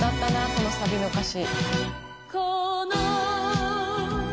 このサビの歌詞。